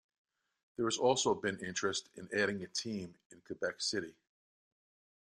There has also been interest in adding a team in Quebec City.